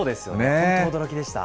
本当驚きでした。